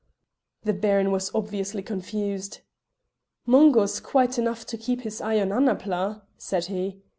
The Baron was obviously confused. "Mungo's quite enough to keep his eye on Annapla," said he.